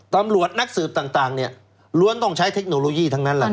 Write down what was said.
ตำรวจนักสืบต่างล้วนต้องใช้เทคโนโลยีทั้งนั้นแหละ